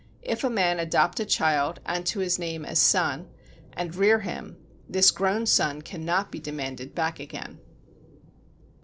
If a man adopt a child and to his name as son, and rear him, this grown son cannot be demanded back again.